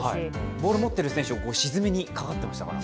ボール持ってる選手を沈めにかかってましたから。